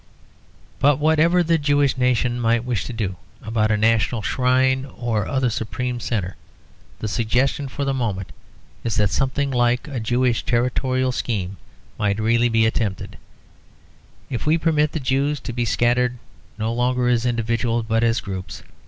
But whatever the Jewish nation might wish to do about a national shrine or other supreme centre, the suggestion for the moment is that something like a Jewish territorial scheme might really be attempted, if we permit the Jews to be scattered no longer as individuals but as groups.